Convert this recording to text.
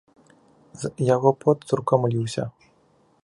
З яго пот цурком ліўся.